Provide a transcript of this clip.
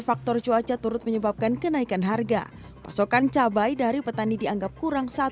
faktor cuaca turut menyebabkan kenaikan harga pasokan cabai dari petani dianggap kurang saat